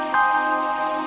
ingat kalau kamu macem macem